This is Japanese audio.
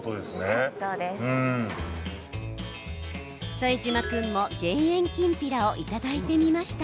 副島君も減塩きんぴらをいただいてみました。